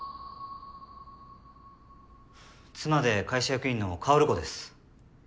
妻で会社役員の馨子です。